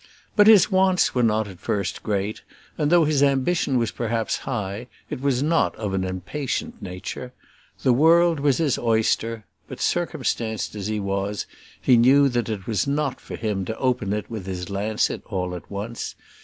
But his wants were not at first great; and though his ambition was perhaps high, it was not of an impatient nature. The world was his oyster; but, circumstanced as he was, he knew that it was not for him to open it with his lancet all at once.